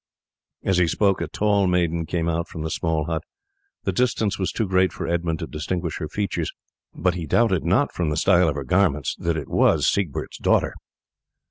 As he spoke a tall maiden came out from the small hut. The distance was too great for Edmund to distinguish her features, but he doubted not from the style of her garments that it was Siegbert's daughter.